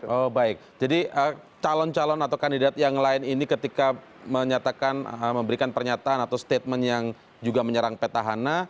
oh baik jadi calon calon atau kandidat yang lain ini ketika memberikan pernyataan atau statement yang juga menyerang petahana